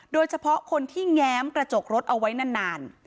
โดยเฉพาะคนที่แง้มกระจกรถเอาไว้นาน